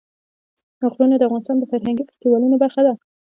غرونه د افغانستان د فرهنګي فستیوالونو برخه ده.